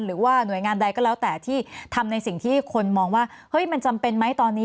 หรือว่าหน่วยงานใดก็แล้วแต่ที่ทำในสิ่งที่คนมองว่าเฮ้ยมันจำเป็นไหมตอนนี้